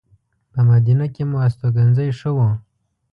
په مدینه کې مو استوګنځی ښه و.